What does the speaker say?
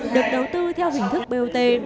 được đầu tư theo hình thức bot